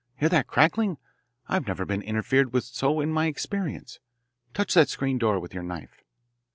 Hear that crackling? I've never been interfered with so in my experience. Touch that screen door with your knife."